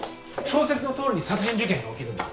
小説のとおりに殺人事件が起きるんだ。